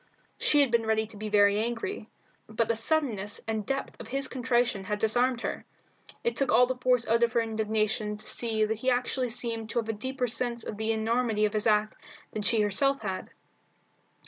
She had been ready to be very angry, but the suddenness and depth of his contrition had disarmed her. It took all the force out of her indignation to see that he actually seemed to have a deeper sense of the enormity of his act than she herself had.